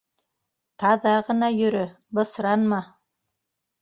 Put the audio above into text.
— Таҙа ғына йөрө, бысранма!